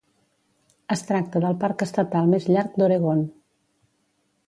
Es tracta del parc estatal més llarg d'Oregon.